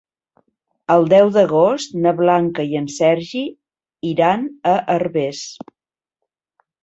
El deu d'agost na Blanca i en Sergi iran a Herbers.